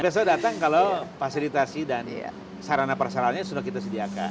besok datang kalau fasilitasi dan sarana perasarananya sudah kita sediakan